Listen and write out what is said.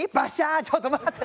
ちょっと待って！